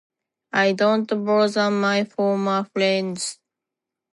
I don't bother my former friends.